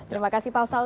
terima kasih pak saul